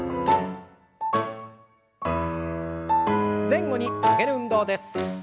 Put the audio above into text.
前後に曲げる運動です。